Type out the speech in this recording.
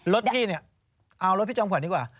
รถพี่เนี่ยเอารถพี่จอมขวัญดีกว่า